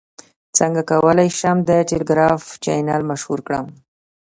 څنګه کولی شم د ټیلیګرام چینل مشهور کړم